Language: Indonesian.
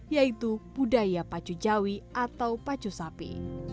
yaitu budaya pacu jawi atau pacu sapi